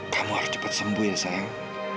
kamu harus cepat sembuh ya